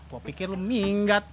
gua pikir lu minggat